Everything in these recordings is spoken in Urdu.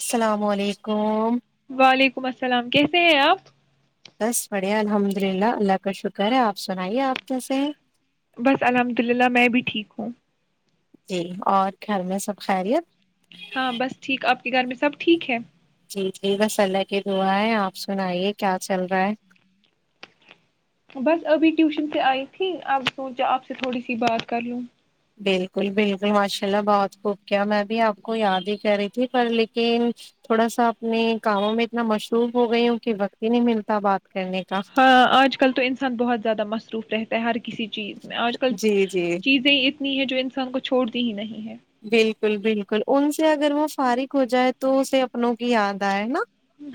السلام علیکم ولیکم السلام کیسے ہیں آپ بس بڑھیا الحمد للہ اللہ کا شکر ہے آپ سنائیے آپ کیسے ہیں بس الحمد للہ میں بھی ٹھیک ہوں جی اور گھر میں سب خیریت ہاں بس ٹھیک آپ گھر میں سب ٹھیک ہے جی جی بس اللہ کی دعا ہے آپ سنائیے کیا چل رہا ہے بس ابھی ٹیوشن سے آئی تھی اب سوچا آپ سے تھوڑی سی بات کر لوں بالکل بالکل ماشاء اللہ بہت خوب کیا میں بھی آپ کو یاد ہی کرہ رہی تھی پر لیکن تھوڑا سا اپنے کاموں میں اتنا مشروف ہو گئی ہوں کہ وقت ہی نہیں ملتا بات کرنے کا ہاں آج کل تو انسان بہت زیادہ مصروف رہتا ہے ہر کسی چیز میں آج کل جی جی چیزیں اتنی ہے جو انسان کو چھوڑ دی ہی نہیں ہے [inaudible] بالکل بالکل ان سے اگر وہ فارغ ہو جائے تو اسے اپنوں کی یاد آئے نا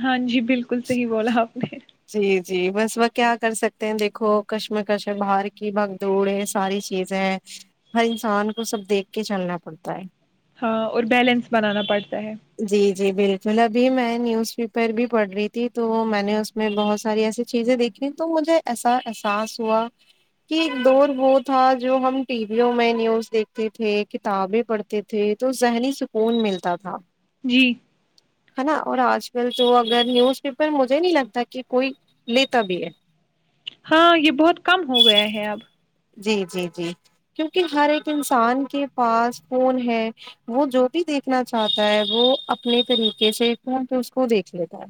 ہاں جی بالکل صحیح بولا آپ نے جی جی بس وہ کیا کر سکتے ہیں دیکھو کشم کش ہے باہر کی بھگدوڑ ہے ساری چیزیں ہیں ہر انسان کو سب دیکھ کے چلنا پڑتا ہے ہاں اور بیلنس بنانا پڑتا رہاہ ہے جی جی بالکل ابھی میں نیوز پیپر بھی پڑھ رہی تھی تو میں نے اس میں بہت ساری ایسی چیزیں دیکھی تو مجھے ایسا احساس ہوا کہ ایک دور وہ تھا جو ہم ٹی ویوں میں نیوز دیکھتے تھے کتابیں پڑھتے تھے تو ذہنی سکون ملتا تھا جی ہے نا اور آج کل تو اگر نیوز پیپر مجھے نہیں لگتا کہ کوئی لیتا بھی ہے ہاں یہ بہت کم ہو گیا ہے اب جی جی جی کیونکہ ہر ایک انسان کے پاس فون ہے وہ جو بھی دیکھنا چاہتا ہے وہ اپنے طریقے سے فون پہ اس کو دیکھ لیتا ہے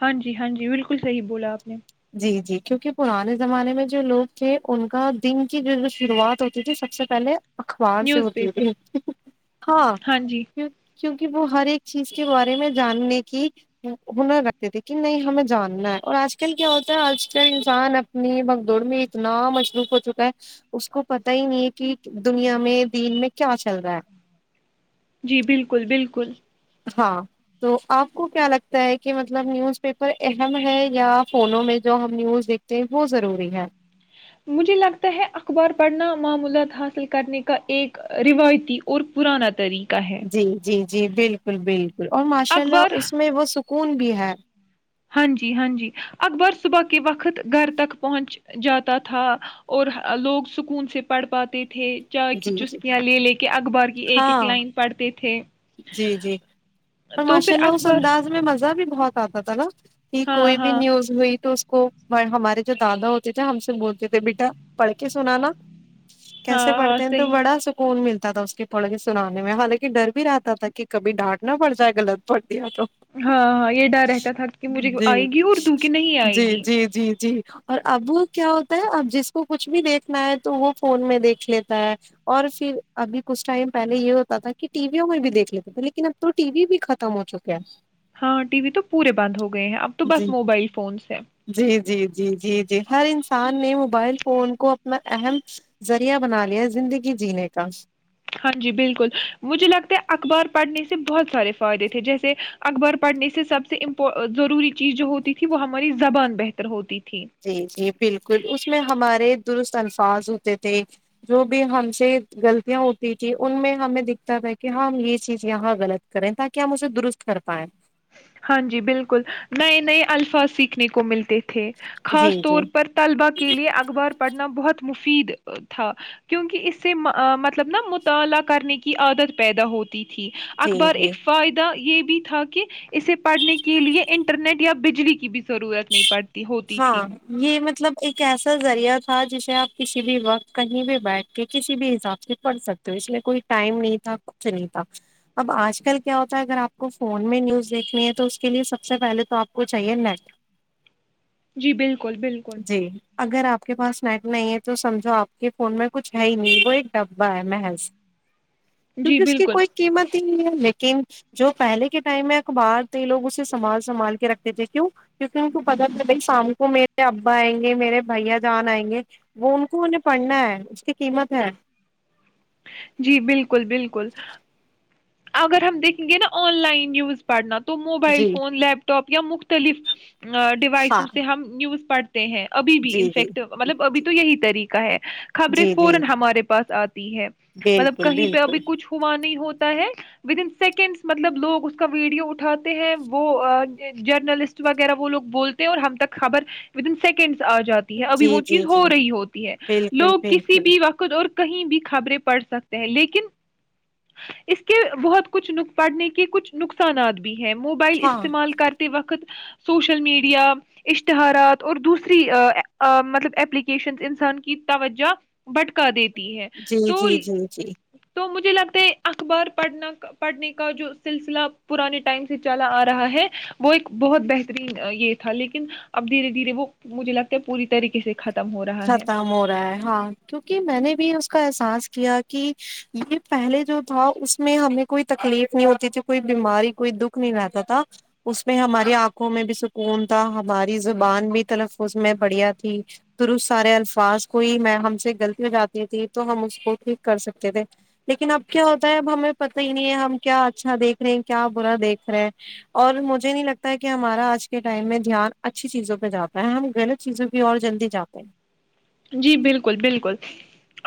ہاں جی ہاں جی بالکل صحی بولا آپ نے جی جی کیوںکہ پرانے زمانے میں جو لوگ تھے ان کا دن کی جو شروعات ہوتی تھی سب سے پہلے اخبار سے نیوز ہوتی پیپر تھی ہاں کیونکہ وہ ہر ایک چیز کے بارے میں جاننے کی ہنر رکھتے تھے کہ نہیں ہمیں جاننا ہے اور آج آ کل کیا ہوتا ہے آج کل انسان اپنی بھگدڑ میں اتنا مجلوف ہو چکا ہے اس کو پت ہی نہیں ہے کہ دنیا میں دین میں کیا چل رہا ہے جی بالکل بالکل ہاں تو آپ کو کیا لگتا ہے کہ مطلب نیوز پیپر اہم ہے یا فونوں میں جو ہم نیوز دیکھتے ہیں وہ ضروری ہے مجھے لگتا ہے اخبار پڑھنا معمولات حاصل کرنے کا ایک روایتی اور پرانا طریقہ ہے جی جی جی بالکل فلبل اور ماشاء اللہ اخبار اس میں وہ س کون بھی ہے ہاں جی ہاں جی اکبر صبح کے وقت گھر تک پہنچ جاتا تھا اور لوگ سکون سے پڑھ پاتے تھے تھے چائے کی جی جی چسکیاں لے لے کے اخبار کی ایک ایک ہاں لائن پڑھتے تھے جی جی اور تو ماشاء پھر اللہ اس اکبر انداز میں مزہ بھی بہت نا کہ کوئی بھی نیوز ہوئی تو اس کو ہمارے جو دادا ہوتے تھے ہم سے بولتے تھے بیٹا پڑھ کے سنا نا ہاں ہ تو بڑا سکون ملتا تھا اس کے پڑھ سنانے میں حالانکہ ڈر بھی رہتا تھا کہ کبھی ڈانٹ نہ پڑ جائے گغط پ ہاں ہاں یہ ڈر رہتا تھا کہ مجھے جی آئے گی اردو کی نہیں آئے جی گی جی جی جی اور ابو کیا ہوتا ہے اب جس کو کچھ بھی دیکھنا ہے تو وہ فون میں دیکھ لیتے ہو اور پھر ابھی کچھ ٹائم پہلے یہ ہوتا تھا کہ ٹی ویوں میں بھی دیکھ لیتے تھے لیکن اب تو ٹی وی بھی ختم ہو چکے ہیں ہاں ٹی وی تو پورے بند ہو گئے ہیں اب تو ہے بس جی موبائل فونس ہے جی جی جی جی جی ہر انسان نے موبائل فون کو اپنا اہم ذریعہ بنا زندگی جینے کا ہاں جی بالکل مجھے لگتا ہے اخبار پڑھنے سے بہت سارے فائدے تھے جیسے اخبار پڑھنے سے سب سے ام ضروری چیز جو ہوتی تھی وہ ہماری زبان بہتر ہوتی تھی جی جی بالکل اس میں ہمارے درست الفاظ ہوتے تھے جو بھی ہم سے غلطیاں ہوتی تیں ان میں ہمیں دکھتا تھا کہ ہم یہ چیز یہاں غلط کریں تاکہ ہم اسے درست کر پائیں ہاں جی بالکل نئے نئے الفاظ سیکھنے کو ملتے تھے جی خاص جی طور پر طلبا کے لیے اخبار پڑھنا بہت مفید تھا کیونکہ اس سے مطلب نا مطالعہ کرنے کی عادت پیدا ہوتی تھی جی اخبار جی ایک فائدہ یہ بھی بھی تھا کہ اسے پڑھنے کے لیے انٹرنیٹ یا بجلی کی بھی ضرورت نہیں پڑتی ہوتی تھی ہاں یہ مطلب ایک ایسا ذریعہ تھا جسے آپ کسی بھی وقت کہیں بھی بیٹھ کے کسی بھی حساب سے پڑھ سکتے ہو اس میں کوئی ٹائم نہیں تھا کچھ نہیں تھا اب آج کل کیا ہوتا ہے اگر آپ کو فون میں نیوز دیکھنی ہے تو اس کے لیے سب سے پہلے تو آپ کو چاہیے نیٹ جی بالکل بالکل جی اگر آپ کے پاس سنیک نہیں ہے تو سمجھو آپ کے فون میں کچھ ہے ہی نہیں وہ ایک ڈبہ ہے محض جی کیونکہ اس کی بالکل کوئی قیمت لیکن جو پہلے کے ٹائم میں اخبار تھے لوگ اسے سنبال سنبھال کے رکھتے تھے کیوں کیونکہ ان پت تھا بھائی شام کو میرے ابا آئیں گے میرے بھیا جان آئیں گے وہ ان کو انیں پڑھنا ہے اس کی قیمت ہے جی بالکل بالکل اگر ہم دیکھیں گے نا آن لائن نیوز پڑھنا تو تو موبائل جی فون لیپ ٹاپ یا مختلف ڈیوائسوں ہاں سے ہم نیوز [unintelligible] جی جی تا جی جی بالکل بالکل ہے ود ان سیکنڈس مطلب لوگ اس کا ویڈیو اٹھاتے ہیں وہ جرنلسٹ وغیرہ وہ لوگ بولتے ہیں اور ہم تک خبر ود ان سیکنڈس آ جاتی ہے ابھی جی وہ جی چیز ہو جی رہی ہوتی ہے بالکل لوگ کسی بالکل بھی وقت اور کہیں بھی خبریں پڑھ سکتے ہیں لیکن اس کہ بہت کچھ ن پڑنے کے کچھ نقصانات بھی ہیں موبائل ہاں استعمال کرتے وقت سوشل میڈیا اشتہارات اور دوسری مطلب اپپلیکیشن انسان کی توجہ بھٹکا دیتی ہے جی تو جی جی جی تو مجھے جلع ت اکبر پڑھنا پڑھنے کا جو سلسلہ پرانے ٹائم سے چلا آ رہا ہے وہ ایک بہت بہترین یہ تھا لیکن اب دھیرے دھیرے وہ مجھے لگتا ہے پوری طریقے سے ک ختم ہو رہا ہے ہاں کیونکہ میں نے بھی اس کا احساس کیا کہ یہ پہلے جو تھا اس میں ہمیں کوئی تکلیف نہیں ہوتی تھی کوئی بیماری کوئی دکھ نہیں رہتا تھا اس میں ہماری آنکھوں میں بھی سکون تھا ہماری زبان بھی تلفظ میں پڑھیا تھی درست سارے الفاظ کوئی میں ہم سے غلطی ہو جاتی تھی تو ہم اس کو ٹھیک کر سکتے تھے لیکن اب کیا ہوتا ہے اب ہمیں پتا ہی نہیں ہے ہم کیا اچھا دیکھ رہے ہیں کیا برا دیکھ رہے ہیں اور مجھے نہیں لگتا کہ ہمارا آج کے ٹائم میں دھیان اچھی چیزوں پہ جاتا ہے ہم لط چیزوں پ اور جلدی جاتے تھینو جی بالکل بالکل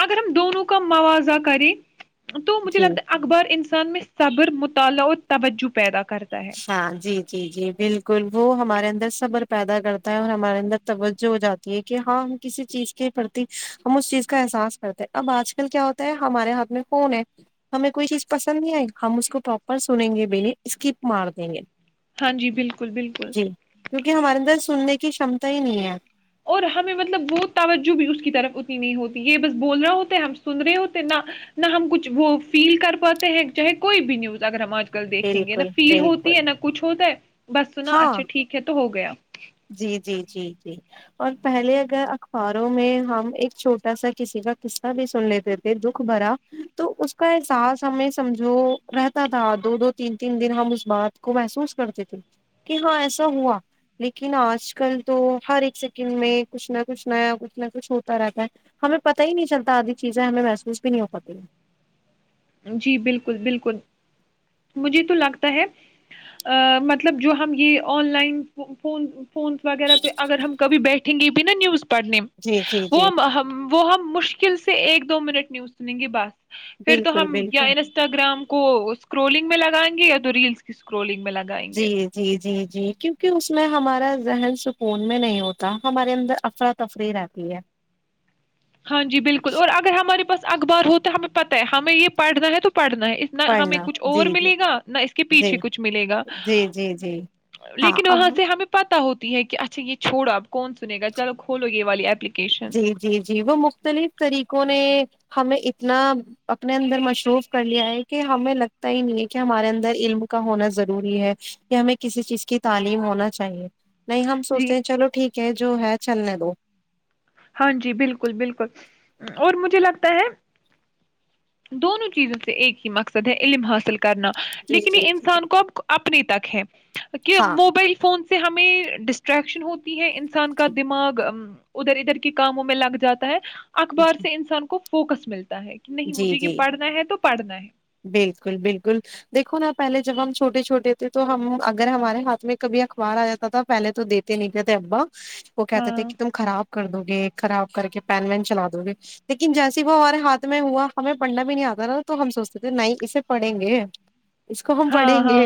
اگر ہم دونوں کا مواازعہ کریں تو مجھے جی لگتا ہے اخبار انسان میں صبر م ت لو ت وجو پیدا کرتا ہے اچھا جی جی جی بالکل وہ ہمارے اندر صبر پیدا کرتا ہے اور ہمارے اندر توجہ ہو جاتی ہے کہ ہاں ہم کسی چیز کے پرتی ہم اس چیز کا احساس کرتے اب آج کل کیا ہوتا ہے ہمارے ہاتھ میں فون ہے ہمیں کوئی چیز پسند نہیں آئی ہم اس کو پراپر سنیں گے ب اس کی متےیں گیں ہاں جی بالکل بالکل جی کیونکہ ہمارے اندر سننے کی شمتا ات ہی نہیں ہے اور ہمیں مطلب وہ توجہ بھی اس کی طرف اتنی نہیں ہوتی یہ بس بول رہا ہوتا ہم سن رہے ہوتے نہ نہ ہم کچھ وہ فیل کر پاتے ہیں چاہے کوئی بھی نیوز اگر ہم آ ج دیکھیں گے نا بالکل فیل ہوتی بالکل ہے نہ کچھ ہوتا ہے بس سنا ہاں اچھا ٹھیک ہے تو ہوگا گیا جی جی جی جی اور پہلے اگر اخباروں میں ہم ایک چھوٹا سا کسی کا قصہ بھی سن لیتے تھے دکھ بھرا تو اس کا احساس ہمیں سمجھو رہتا تھا دو دو تین تین دن ہم اس بات کو محسوس کرتے تھے کہ ہاں ایسا ہوا لیکن آج کل تو ہر ایک سیکنڈ میں کچھ نہ کچھ نیا کچھ نہ کچھ ہوتا رہتا ہے ہمیں پت ہی نہیں چلتا آدھی چیزیں ہمیں محسوس بھی نہیں ہو پاتی ہیں جی بالکل بالکل مجھے تو لگتا ہے مطلب جو ہم یہ آن لائن فون فونس وغیرہ اگر ہم کبھی بیٹھے ے پن نیوز پڑھنے جی جی وہ جی وہ ہم مشکل سے ایک دو منٹ نہیںیو سنیں گی بس پھر تو بالکل ہم بالکل انسٹاگرام کوش اسکرولنگ میں لگائیںے یا تو ریلس کیکرولنگ جی جی جی جی جی کیونکہ اس میں ہمارا ذہن سکون میں نہیں ہوتا ہمارے اندر افرا تفری رہتی ہے ہاں جی بالکل اور اگر ہمارے پاس اخبار ہو تو ہمیں پتہ ہے ہمیں یہ پڑھنا ہے تو پڑھنا ہے نہ ہمیں پڑھنا کچھ جی اور جی ملے گا نہ اس کے جی پیچھے کچھ ملے گا جی جی جی ہاں لیکن اب وہاں سے ہمیں پتا ہوتا یہ کہ اچھا یہ چھو آپ کون سنے گا چلو کولو یہ والی ایپلیکی جی جی جی وہ م مختلف طریقوں نے ہمیں اتنا اپنے اندر مصروف کر لیا ہے کہ ہمیں لگتا ہی نہیں ہے کہ ہمارے اندر علم کا ہونا ضروری ہے کہ ہمیں کسی چیز کی تعلیم ہونا چاہیے نہیں ہم جی سوچتے ہیں چلو ٹھیک کہ جو ہے چلنے دو ہاں جی بالکل بالکل اور مجھے لگتا ہے دونوں چیزوں سے ایک ہی مقصد ہے علم حاصل کر کرنا جی لیکن جی یہ جی انسان کو اب اپنے تک ہے کہ ہاں موبائل فون سے ہمیں ڈسٹر اٹریکشن ہوتی ہے ان انسان کا دماغ ا ادھر ادھر کاموں میں لگ جاتا ہے اخبار سے انسان کو فوکس ملتے جی جی ہے بالکل بالکل دیکھو آپ پہےب ہم چھوٹے چھوٹے تھے تو ہم اگر ہمارے ہاتھ میں کبھی اخبار آ جاتا تھا پہلے تو دیتے نہیں تھتے تھ ابا وہ کہتے تھے ہاں کہ تم خراب کر دو گے خراب کر کے پین وین چلا دو گے لیکن جیسے وہ ہمارے ہاتھ میں ہوا ہمیں پڑھنا بھی نہیں آتا نا تو ہم سوچتے تھے نہیں اسے پڑھیں گے اس کو ہم ہاں پڑھیں ہاں گے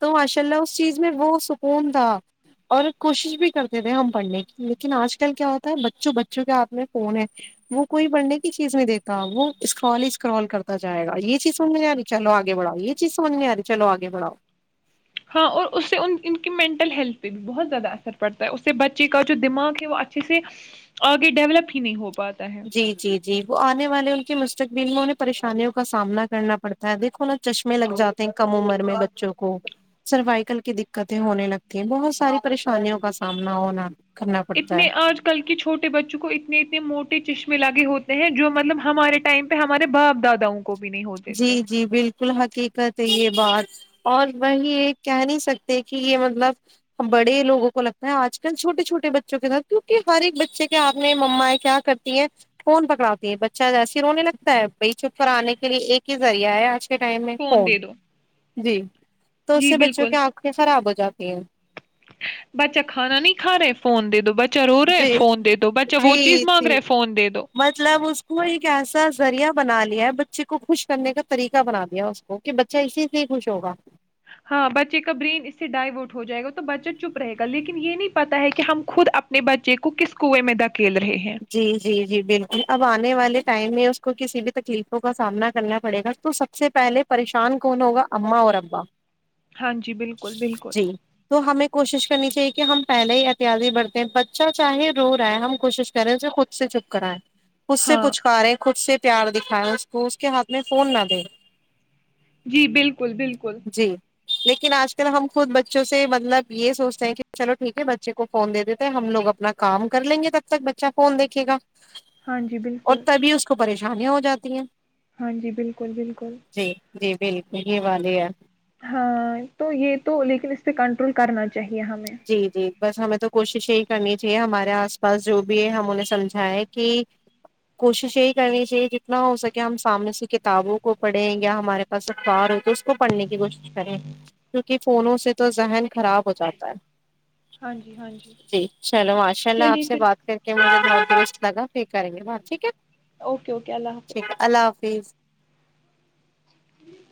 تو ماشاء اللہ اس چیز میں وہ سکون تھا اور کوشش بھی کرتے تھے ہم پڑھنے کی لیکن آج کل کیا ہوتا ہے بچوں بچوں کے ہاتھ میں فون ہے وہ کوئی پڑھنے کی چیز نہیں دیتے وہ اسکرال ہی اسکرال کرتا جائے گا یہ چیز سمج نہیں آ رہی چلو آگے بڑھؤ یہ چیز سمجھ نہیں آ رہی چلو آگے بڑھاؤ ہاں اور اس سے ان ان کی مینٹل ہیلتھ پہ بھی بہت زیادہ اثر پڑتا ہے اس سے بچے کا جو دماغ ہے وہ اچھے سے آگے ڈیولپ ہی نہیں ہوگ جی جی جی وہ آنے والے ان مستقبل میں انہیں پریشانیوں کا سامنا کرنا پڑتا ہے دیکھو نا چشمے لگ جاتے ہیں کم عمر میں بچوں کو سروائکل کی دقتیں ہونے لگتی ہیں بہت ساری پریشانیوں کا سامنا ہونا کرنا پڑتا ہے اتنے آج کل کے چھوٹے بچوں کو اتنے اتنے موٹے چشمے ملا کے ہوتے ہیں جو مطلب ہمارے ٹائم پہ ہمارے باپ داداؤں کو بھی نہیں ہوتے تھے بک الحقیقت یہ بات اور وہی ایک کہہ نہیں سکتے کہ یہ مطلب بڑے لوگوں کو لگتا ہے آج کل چھوٹے چھوٹے بچوں کے ساتھ کیونکہ ہر ایک بچے کے آپ نے ممایں کیا کرتی ہیں فون پکڑاتی ہیں بچہ جیسی رونے لگتا ہے بائی چھپ پر آنے کے لیے ایک ہی ذریعہ ہے آج ٹائم میں فون دے دو جی تو اس جی سے بچوں کی آنکھیں خراب ہوتی جاتی ہیں بچا کھانا نہیں کا رہے فون د دو ب چرو رہے جی فون د دو بچے وہ چیز جی مانگ جی رہے فون دے دو مطلب اس کا ذریعہ بنا لیا ہے بچے کو خوش کرنے کا طریقہ بنا دیا اس کو کہ بچہ اسی سے ہی خوش ہوگا ہاں بچے کا برین اس سے ڈائیورٹ ہو جائے گا تو بچہ چپ رہے گا لیکن یہ نہیں پتا ہے کہ ہم خود اپنے بچے کو کس کنویں میں دکھ جی جی جی بالکل اب آنے والے ٹائم میں اس کو کسی بھی تکلیفوں کا سامنا کرنا پڑے گا تو سب سے پہلے پریشان کون ہوگا اما اور ابا ہاں جی بالکل بالکل جی تو ہمیں کوشش کرنی چاہیے کہ ہم پہلے ہی اتیازی بڑھتے ہیں بچہ چاہے رو رہا ہے ہم کوشش پرے سے خود سے چھپ کرا ہے خود سے ہاں پچکارے خود سے پیار دکھاائے اس کو اس کے ہاتھ میں فون نہ دے جی بالکل بالکل لیکن آج کل ہم خود بچوں سے مطلب یہ سوچتے ہیں کہ چلو ٹھیک ہے بچے کو فون دے دیتے ہیں ہم لوگ اپنا کام کر لیں گے تب تک ب اچھا کون دیکے گا ہاں جی اور بالکل تبھی اس کو پریشانیاں ہو جاتی ہیں ہاں جی بالکل بالکل جی جی بالکل یہ والاتی ہے ہاں تو یہ تو لیکن اس پہ کنٹرول کرنا چ چاہیے ہمیں جی جی بس ہمیں تو کوشش یہی کرنی چاہیے ہمارے آس پاس جو بھی ہے ہمہوں نے سمجھا ہے کہ کوشش یہی کرنی چاہیے جتنا ہو سکے ہم سامنے سی کتابوں کو پڑھیں یا ہمارے پاس اخبار ہو تو اس کو پڑھنے کی کوشش کریں کیونکہ فونوں سے تو ذہن خراب ہو جاتا ہے ہاں جی ہاں جی چلو ماشاء اللہ آپ چلیے سے پھر بات کر کے مجھے گوشٹ لگا پ کریں گے باہر ٹھیک ہے اوکے اوکے اللہ حافظ ٹھیک ہے اللہ حافظ جی